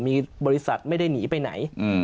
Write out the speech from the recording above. มีบริษัทไม่ได้หนีไปไหน